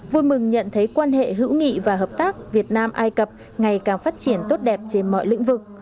vui mừng nhận thấy quan hệ hữu nghị và hợp tác việt nam ai cập ngày càng phát triển tốt đẹp trên mọi lĩnh vực